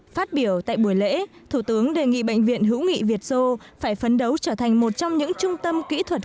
phát biểu tại buổi lễ thủ tướng đề nghị bệnh viện hữu nghị việt sô phải phấn đấu trở thành một trong những trung tâm kỹ thuật